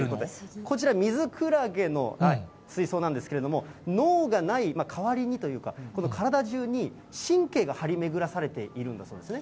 こちら、ミズクラゲの水槽なんですけれども、脳がない代わりにというか、この体中に神経が張り巡らされているんだそうですね。